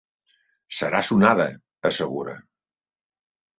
Serà sonada —assegura—.